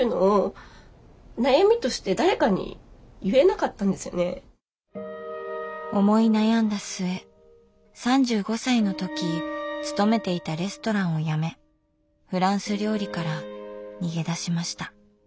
あのその思い悩んだ末３５歳の時勤めていたレストランを辞めフランス料理から逃げ出しました。